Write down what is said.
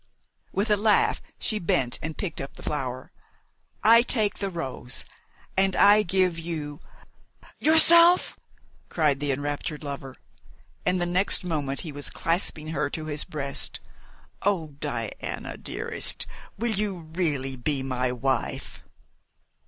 With a laugh, she bent and picked up the flower. "I take the rose and I give you " "Yourself!" cried the enraptured lover, and the next moment he was clasping her to his breast. "Oh, Diana, dearest! Will you really be my wife?"